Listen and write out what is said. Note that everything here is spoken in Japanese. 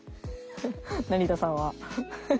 成田さんは。